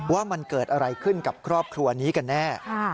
ว่ามันเกิดอะไรขึ้นกับครอบครัวนี้กันแน่